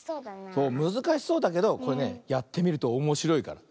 そうむずかしそうだけどこれねやってみるとおもしろいから。